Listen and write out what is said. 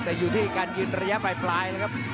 แต่อยู่ที่การยืนระยะปลายนะครับ